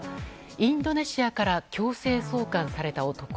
インドネシアから強制送還された男。